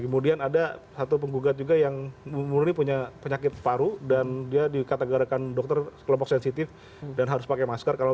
kemudian ada satu penggugat juga yang murni punya penyakit paru dan dia dikategorakan dokter kelompok sensitif dan harus pakai masker